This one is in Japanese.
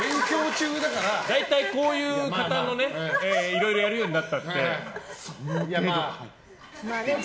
大体こういう方のいろいろやるようになったってこの程度かとか。